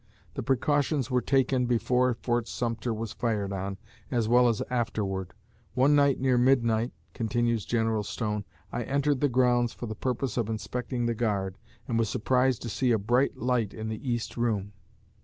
The precautions were taken before Fort Sumter was fired on, as well as afterward. One night near midnight," continues General Stone, "I entered the grounds for the purpose of inspecting the guard, and was surprised to see a bright light in the East room.